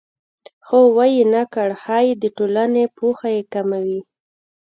خو ویې نه کړ ښایي د ټولنې پوهه یې کمه وي